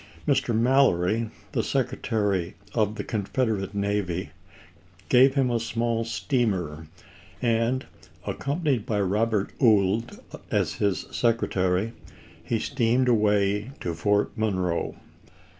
Mr. Mallory, the Secretary of the Confederate Navy, gave him a small steamer, and accompanied by Eobert Ould as his secretary, he steamed away to Fort Monroe.